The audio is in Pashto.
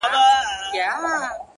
اشنـا په دې چــلو دي وپوهـېدم،